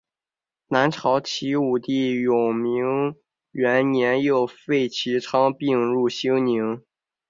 南朝齐武帝永明元年又废齐昌并入兴宁。